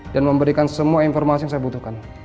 dan memberikan semua informasi yang saya butuhkan